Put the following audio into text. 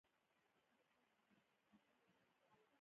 زه د وطن د پرمختګ لپاره هره ورځ هڅه کوم.